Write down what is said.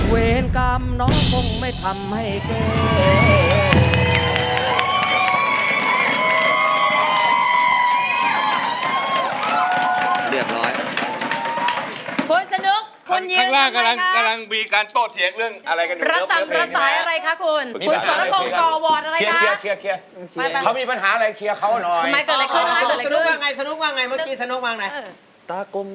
เวรกรรมน้องคงไม่ทำให้เกิน